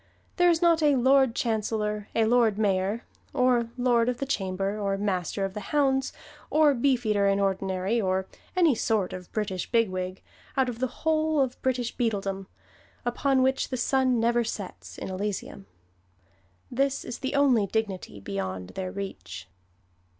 There is not a Lord Chancellor, or Lord Mayor, or Lord of the Chamber, or Master of the Hounds, or Beefeater in Ordinary, or any sort of British bigwig, out of the whole of British Beadledom, upon which the sun never sets, in Elysium. This is the only dignity beyond their reach."